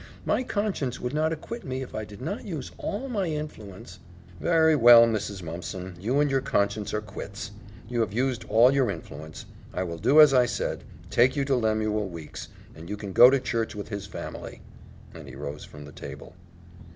My conscience would not acquit me if I did not use all my influence " "Very well, Mrs. Mumpson, you and your conscience are quits. You have used all your influence. I will do as I said take you to Lemuel Weeks' and you can go to church with his family," and he rose from the table.